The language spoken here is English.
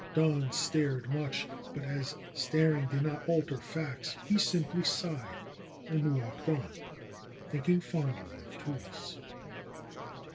Don stared much, but as staring did not alter facts he simply sighed and walked on, thinking fondly of Therese.